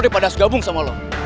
daripada gabung sama lo